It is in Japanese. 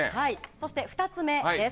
そして２つ目です。